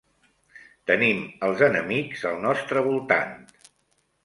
Tenim els enemics al nostre voltant.